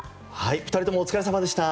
２人ともお疲れさまでした。